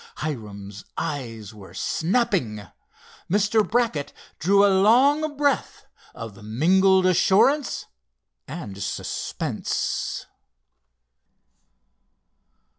Hiram's eyes were snapping. Mr. Brackett drew a long breath of mingled assurance and suspense.